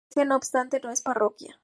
La iglesia, no obstante, no es parroquia.